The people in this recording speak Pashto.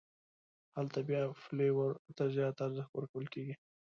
هلته بیا فلېور ته زیات ارزښت ورکول کېږي.